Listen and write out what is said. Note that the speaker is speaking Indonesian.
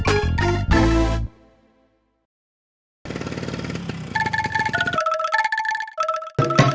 jalinkan mau mah